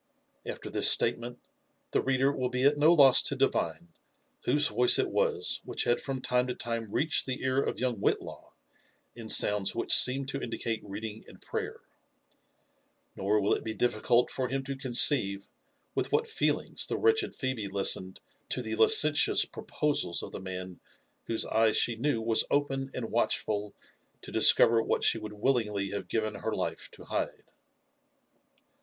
After this statement, the reader will be at no loss to divine whose voice it was which had from time to time reached the ear of young Whitlaw in sounds which seemed to indicate reading and prayer ; nor will it be difficult for him to conceive Witt what feelings the wretched Phebe listened to the licentious proposals of the man whose eye she knew was open and watchftil to discover what she would willingly have given her life to hide.